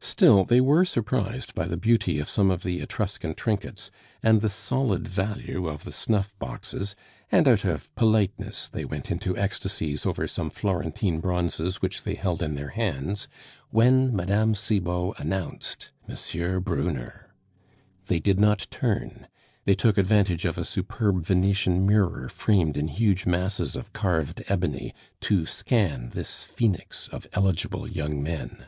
Still, they were surprised by the beauty of some of the Etruscan trinkets and the solid value of the snuff boxes, and out of politeness they went into ecstasies over some Florentine bronzes which they held in their hands when Mme. Cibot announced M. Brunner! They did not turn; they took advantage of a superb Venetian mirror framed in huge masses of carved ebony to scan this phoenix of eligible young men.